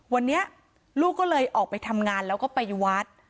วันนี้ลูกก็เลยออกไปทำงานแล้วก็ไปวัด